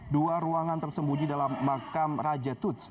dua ruangan tersembunyi dalam makam raja tuts